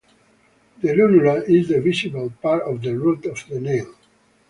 The lunula is the visible part of the root of the nail.